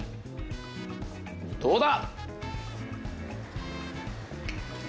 どうだ